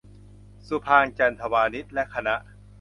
สุภางค์ จันทวานิช และคณะ